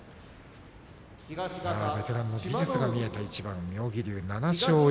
ベテランの技術が見えた一番でした。